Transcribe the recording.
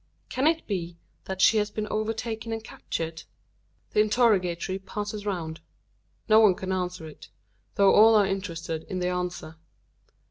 Can it be, that she has been overtaken and captured? The interrogatory passes round. No one can answer it; though all are interested in the answer.